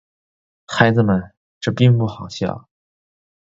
孩子们，这并不好笑。